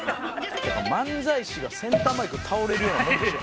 漫才師がセンターマイク倒れるようなもんでしょ。